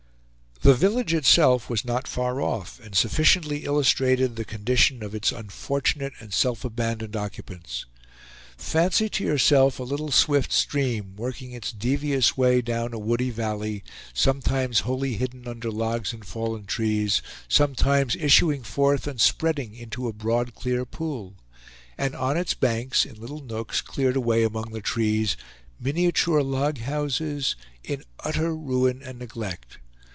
The village itself was not far off, and sufficiently illustrated the condition of its unfortunate and self abandoned occupants. Fancy to yourself a little swift stream, working its devious way down a woody valley; sometimes wholly hidden under logs and fallen trees, sometimes issuing forth and spreading into a broad, clear pool; and on its banks in little nooks cleared away among the trees, miniature log houses in utter ruin and neglect.